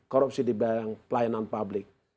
korupsi di bidang pelayanan publik